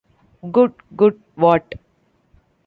Good, good- What!